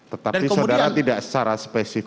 tetapi saudara tidak secara spesifik